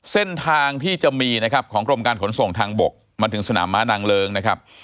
เส้นทางที่จะมีนะครับของกรมการขนส่งทางบกมาถึงสนามม้านางเลิ้งนะครับ